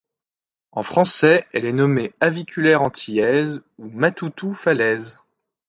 En français, elle est nommée Aviculaire antillaise ou Matoutou falaise.